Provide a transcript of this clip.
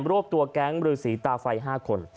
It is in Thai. รวบตัวแก๊งบรือสีตาไฟ๕คน